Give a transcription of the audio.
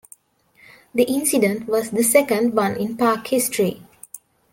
The incident was the second one in park history.